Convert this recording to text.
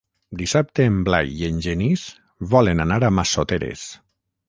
Dissabte en Blai i en Genís volen anar a Massoteres.